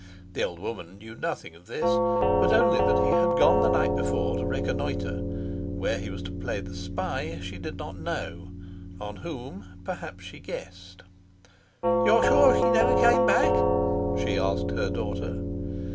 The old woman knew nothing of this, but only that he had gone the night before to reconnoitre; where he was to play the spy she did not know, on whom perhaps she guessed. "You're sure he never came back?" she asked her daughter.